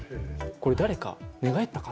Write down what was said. これ誰か寝返ったか？